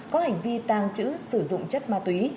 có hành vi tàng trữ sử dụng chất ma túy